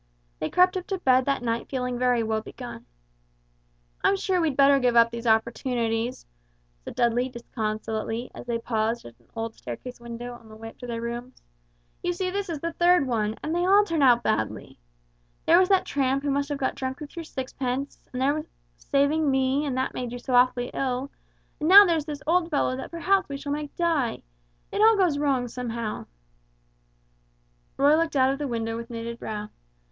They crept up to bed that night feeling very woe begone. "I'm sure we'd better give up these opportunities," said Dudley, disconsolately, as they paused at an old staircase window on their way to their rooms; "you see this is the third one, and they all turn out badly. There was that tramp who must have got drunk with your sixpence, and then there was saving me, and that made you so awfully ill, and now here's this old fellow that perhaps we shall make die. It all goes wrong, somehow." Roy looked out of the window with knitted brow.